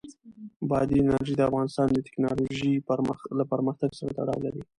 بادي انرژي د افغانستان د تکنالوژۍ له پرمختګ سره تړاو لري.